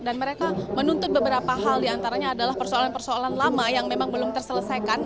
dan mereka menuntut beberapa hal diantaranya adalah persoalan persoalan lama yang memang belum terselesaikan